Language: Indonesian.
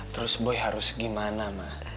terus boy harus gimana mah